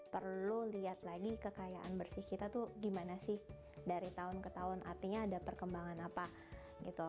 perlu lihat lagi kekayaan bersih kita tuh gimana sih dari tahun ke tahun artinya ada perkembangan apa gitu